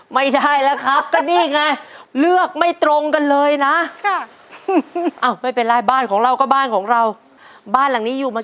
บุรีรำยูเนตเต็ดครับครู